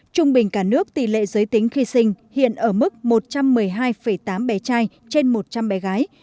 trung bình cả nước tỷ lệ giới tính khi sinh hiện ở mức một trăm một mươi hai tám bé trai trên một trăm linh bé gái